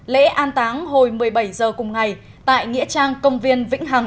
lễ an táng hồi một mươi bảy h cùng ngày tại nghĩa trang công viên vĩnh hằng ba vì thành phố hà nội